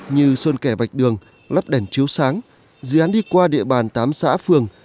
như sơn kẻ vạch đường lắp đèn chiếu sáng dự án đi qua địa bàn tám xã phường